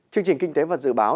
chương trình kinh tế và dự báo